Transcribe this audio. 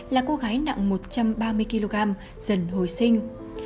là cô gái nặng một trăm ba mươi kg dần hồi sinh